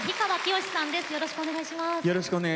よろしくお願いします。